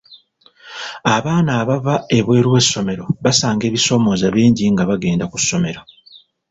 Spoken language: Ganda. Abaana abava ebweru w'essomero basanga ebisoomooza bingi nga bagenda ku ssomero.